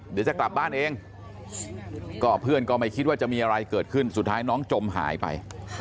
เดี๋ยวจะกลับบ้านเองก็เพื่อนก็ไม่คิดว่าจะมีอะไรเกิดขึ้นสุดท้ายน้องจมหายไป